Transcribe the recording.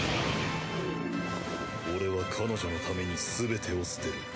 俺は彼女のためにすべてを捨てる。